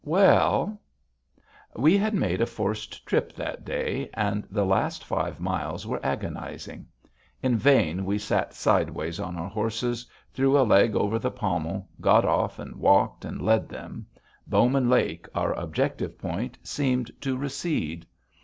Well We had made a forced trip that day, and the last five miles were agonizing. In vain we sat sideways on our horses, threw a leg over the pommel, got off, and walked and led them. Bowman Lake, our objective point, seemed to recede.